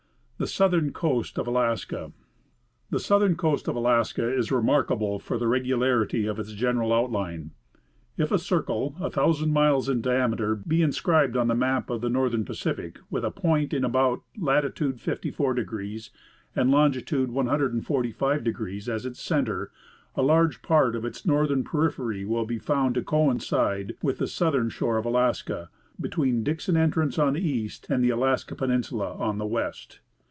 THE SOUTHERN COAST OF ALASKA. The southern coast of Alaska is remarkable for the regularity of its general outline. If a circle a thousand miles in diameter be inscribed on a map of the northern Pacific with a point in about latitude 54° and longitude 145° as a center, a large part of its northern periphery will be found to coincide with the south ern shore of Alaska between Dixon entrance oil the east and the Alaska peninsula on the west.